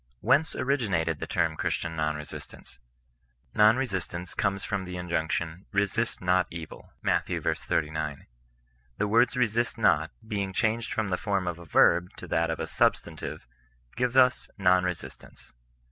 Whence originated the term Christian non resistanee? Non resistance comes from the injunction, <^ resist not evil,'' Matt. v. 39. The words " resist not," being changed from the form of a verb to that of a substantive, give us non resistance.